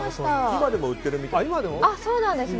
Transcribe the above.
今でも売ってるみたいです。